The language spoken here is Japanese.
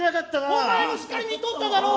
お前もしっかり見とっただろ？